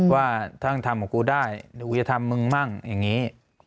ว่าถ้าทำกับกูได้จะทำมึงบ้างอย่างนี้